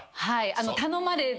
はい。